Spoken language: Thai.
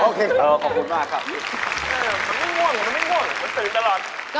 มันไม่ง่วงมันตื่นตลอด